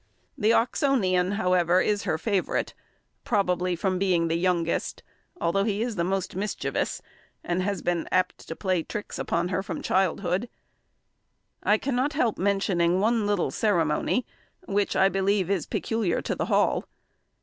The Oxonian, however, is her favourite, probably from being the youngest, though he is the most mischievous, and has been apt to play tricks upon her from boyhood. I cannot help mentioning one little ceremony which, I believe, is peculiar to the Hall.